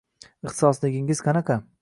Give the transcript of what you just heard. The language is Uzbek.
Ixtisosligingiz qanaqa?